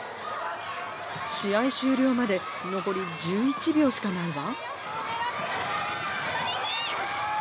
試合終了まで残り１１秒しかないわ。